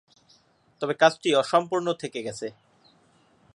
তবে কাজটি অসম্পূর্ণ থেকে গেছে।